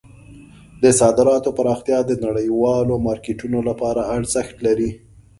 د صادراتو پراختیا د نړیوالو مارکیټونو لپاره ارزښت لري.